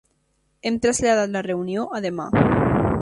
Hem traslladat la reunió a demà.